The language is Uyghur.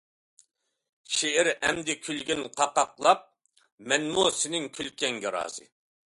شېئىر، ئەمدى كۈلگىن قاقاھلاپ، مەنمۇ سېنىڭ كۈلكەڭگە رازى.